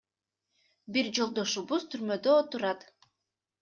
Бир жолдошубуз түрмөдө отурат.